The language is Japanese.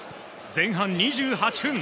前半２８分。